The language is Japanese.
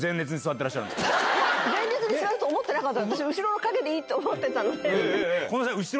前列に座ると思ってなかった。